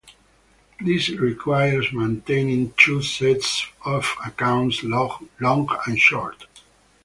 This requires maintaining two sets of accounts, long and short.